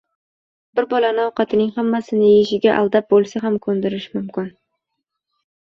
Bir bolani ovqatining hammasini yeyishga aldab bo‘lsa ham ko‘ndirish mumkin.